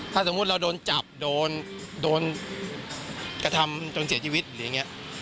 ถ้าสมมุติเราโดนจับโดนกระทำจนเสียชีวิตหรืออย่างนี้